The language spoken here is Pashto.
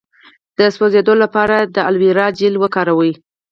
د سوځیدو لپاره د الوویرا جیل وکاروئ